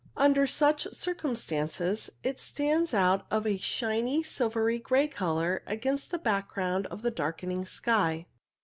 Under such circumstances it stands out of a shining silvery grey colour against the background of the darkening sky.